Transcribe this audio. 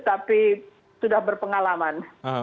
tapi sudah berpengalaman